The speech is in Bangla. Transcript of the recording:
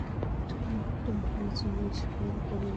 তুমি একটা বড় জিনিস খেয়াল করোনি।